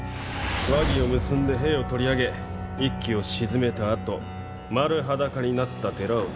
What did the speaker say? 和議を結んで兵を取り上げ一揆を鎮めたあと丸裸になった寺を潰す。